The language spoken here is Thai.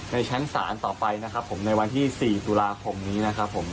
ในชั้นสารต่อไปในวันที่๔ศูราคม